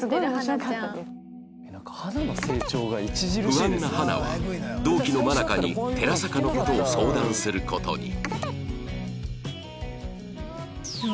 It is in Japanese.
不安な花は同期の愛香に寺坂の事を相談する事に